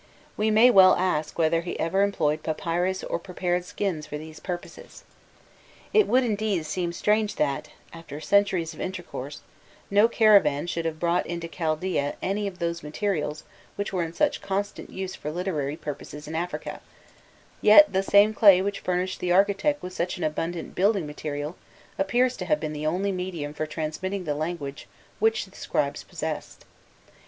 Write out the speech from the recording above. We may well ask whether he ever employed papyrus or prepared skins for these purposes. It would, indeed, seem strange that, after centuries of intercourse, no caravan should have brought into Chaldaean any of those materials which were in such constant use for literary purposes in Africa;* yet the same clay which furnished the architect with such an abundant building material appears to have been the only medium for transmitting the language which the scribes possessed.